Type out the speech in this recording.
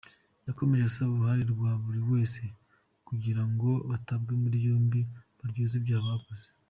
Yakomeje asaba uruhare rwa buri wese kugirango batabwe muri yombi baryozwe ibyaha bakoze.